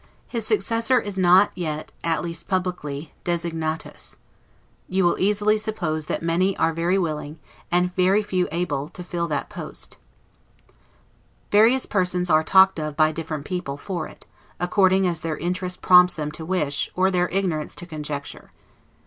His successor is not yet, at least publicly, 'designatus'. You will easily suppose that many are very willing, and very few able, to fill that post. Various persons are talked of, by different people, for it, according as their interest prompts them to wish, or their ignorance to conjecture. Mr.